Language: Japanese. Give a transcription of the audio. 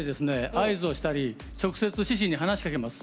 合図をしたり直接獅子に話しかけます。